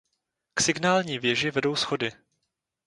K signální věži vedou schody.